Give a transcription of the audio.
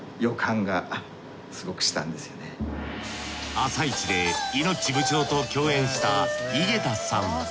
『あさイチ』でイノッチ部長と共演した井桁さん